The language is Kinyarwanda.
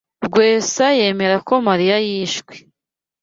Rwesa yemera ko Mariya yishwe.